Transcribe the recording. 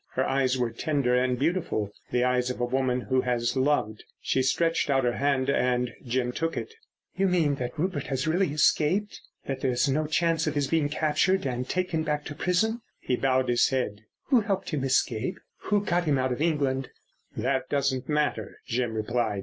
Her eyes were tender and beautiful: the eyes of a woman who has loved. She stretched out her hand and Jim took it. "You mean that Rupert has really escaped? That there's no chance of his being captured and taken back to prison?" He bowed his head. "Who helped him escape? Who got him out of England?" "That doesn't matter," Jim replied.